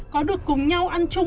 có được cùng nhau ăn chung